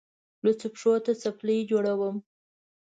لوڅو پښو ته څپلۍ جوړوم.